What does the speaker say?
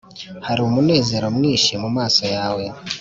hari umunezero mwinshi mumaso yawe